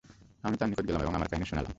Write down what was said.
আমি তাঁর নিকট গেলাম এবং আমার কাহিনী শুনালাম।